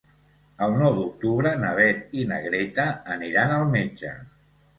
El nou d'octubre na Beth i na Greta aniran al metge.